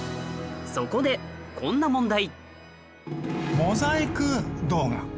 そこでこんな問題